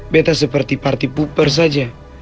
betta seperti party pooper saja